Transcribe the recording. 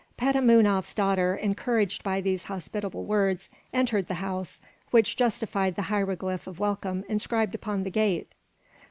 Petamounoph's daughter, encouraged by these hospitable words, entered the house, which justified the hieroglyph of welcome inscribed upon the gate.